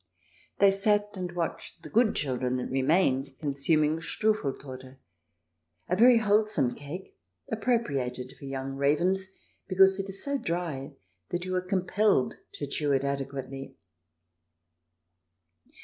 They sat and watched the good children that remained consuming Strufel Torte, a very whole some cake, appropriated for young ravens, because it is so dry that you are compelled to chew it adequately.